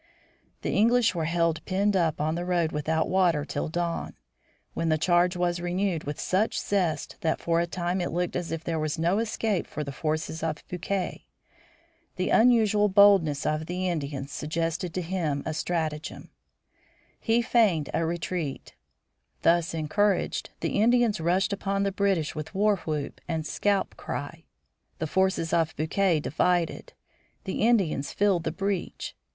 The English were held penned up on the road without water till dawn, when the charge was renewed with such zest that for a time it looked as if there were no escape for the forces of Bouquet. The unusual boldness of the Indians suggested to him a stratagem. [Illustration: REDOUBT AT FORT PITT] He feigned a retreat. Thus encouraged the Indians rushed upon the British with war whoop and scalp cry. The forces of Bouquet divided; the Indians filled the breach.